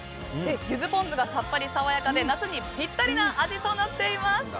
ゆずポン酢がさっぱり爽やかで夏にぴったりな味となっています。